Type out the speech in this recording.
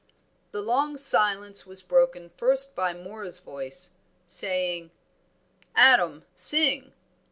The long silence was broken first by Moor's voice, saying "Adam, sing."